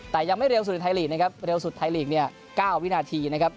แต่ยังไม่เร็วสุดในไทยลีกนะครับเร็วสุดไทยลีกเนี่ย๙วินาทีนะครับ